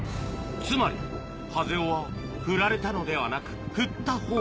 つまりハゼ雄は振られたのではなく振った方。